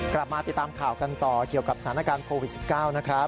กลับมาติดตามข่าวกันต่อเกี่ยวกับสถานการณ์โควิด๑๙นะครับ